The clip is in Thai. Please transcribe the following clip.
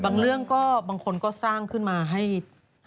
บางเรื่องก็บางคนก็สร้างขึ้นมาให้เกิดกระแซม